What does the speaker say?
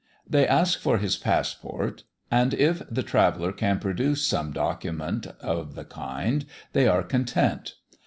They ask for his passport, and if the traveller can produce some document of the kind they are content.